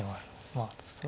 まあ。